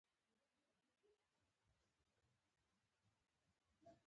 د احمد نوم په ټوله سيمه کې تللی دی.